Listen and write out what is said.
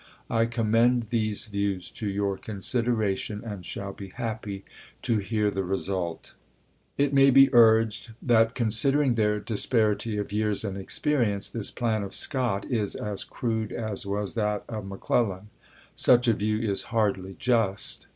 I commend these views to your consideration and shall be happy to hear the result. It may be urged that, considering their disparity of years and experience, this plan of Scott is as crude as w^s that of McClellan. Such a view is hardly just.